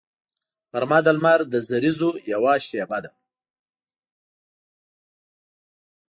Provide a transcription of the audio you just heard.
غرمه د لمر د زریزو یوه شیبه ده